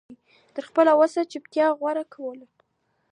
تر خپله وسه چوپتيا غوره کول